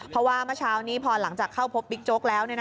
เพราะว่าเมื่อเช้านี้พอหลังจากเข้าพบบิ๊กโจ๊กแล้ว